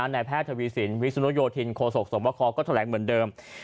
นายแพทย์ทวีสินวิสุนุโยธินโคศกสมบคก็แถลงเหมือนเดิม